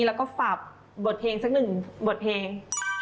แล้วก็ฝากบทเพลงสักหนึ่งบทเพลง